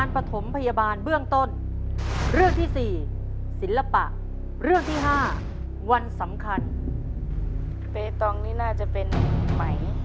เปตองนี่น่าจะเป็นไหม